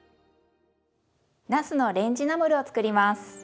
なすのレンジナムルを作ります。